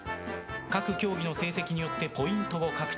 各競技の成績によってポイントを獲得。